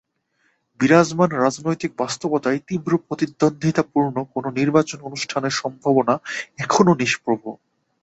বিরাজমান রাজনৈতিক বাস্তবতায় তীব্র প্রতিদ্বন্দ্বিতাপূর্ণ কোনো নির্বাচন অনুষ্ঠানের সম্ভাবনা এখনো নিষ্প্রভ।